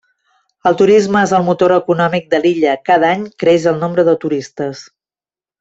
El Turisme és el motor econòmic de l'illa, cada any creix el nombre de turistes.